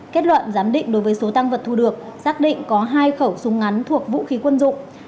kết luận giám định đối với số tăng vật thu được xác định có hai khẩu súng ngắn thuộc vũ khí quân dụng